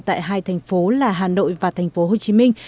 tại hai thành phố là hà nội và thành phố hồ chí minh